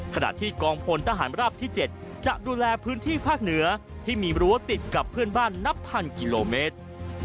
ขณะที่กองพลทหารราบที่๗จะดูแลพื้นที่ภาคเหนือที่มีรั้วติดกับเพื่อนบ้านนับพันกิโลเมตร